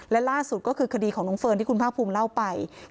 และล่าสุดก็คือคดีของน้องเฟิร์นที่คุณภาคภูมิเล่าไป